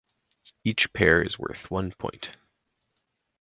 Each pair is worth one point.